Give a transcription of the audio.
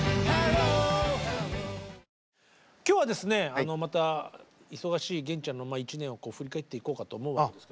今日はですねまた忙しい源ちゃんの１年を振り返っていこうかと思うわけです。